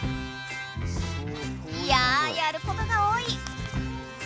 いややることが多い。